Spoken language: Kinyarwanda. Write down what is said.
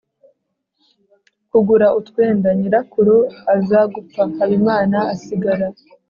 kugura utwenda. Nyirakuru aza gupfa, Habimana asigara